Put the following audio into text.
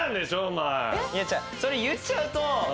それ言っちゃうと。